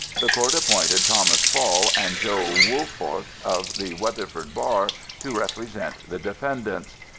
The court appointed Thomas Fall and Joe Woolfork of the Weatherford Bar to represent the defendants.